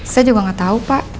saya juga gak tau pak